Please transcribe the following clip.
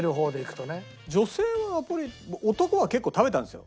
女性はナポリ男は結構食べたんですよ。